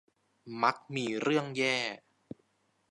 มักมีเรื่องแย่